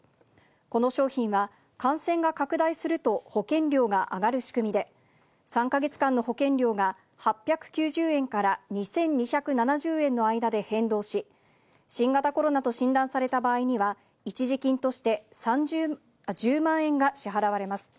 この商品は、感染が拡大すると保険料が上がる仕組みで、３か月間の保険料が８９０円から２２７０円の間で変動し、新型コロナと診断された場合には、一時金として１０万円が支払われます。